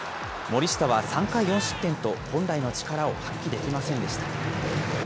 森下は３回４失点と、本来の力を発揮できませんでした。